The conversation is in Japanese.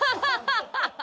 ハハハハ！